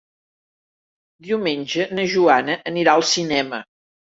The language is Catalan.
Diumenge na Joana anirà al cinema.